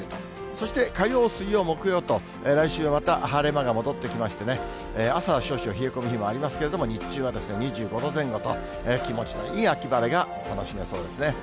そして火曜、水曜、木曜と、来週はまた晴れ間が戻ってきまして、朝は少々冷え込む日もありますけれども、日中は２５度前後と、気持ちのいい秋晴れが楽しめそうですね。